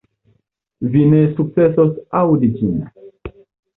Vi ne sukcesos aŭdi ĝin.